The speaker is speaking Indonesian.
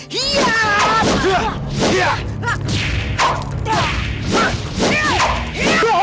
pasti terbentang ya siang